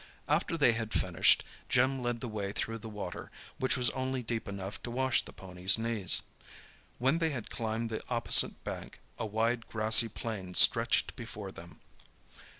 After they had finished, Jim led the way through the water, which was only deep enough to wash the ponies' knees. When they had climbed the opposite bank, a wide, grassy plain stretched before them.